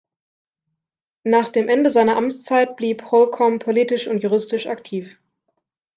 Nach dem Ende seiner Amtszeit blieb Holcomb politisch und juristisch aktiv.